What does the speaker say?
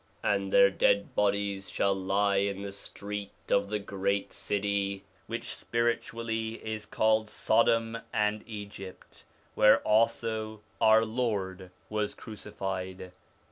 And their dead bodies shall lie in the street of the great city, which spiritually is called Sodom and Egypt, where also our Lord was crucified.'